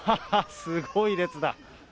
すごい列だ。